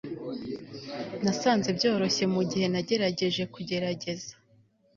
Nasanze byoroshye mugihe nagerageje kugerageza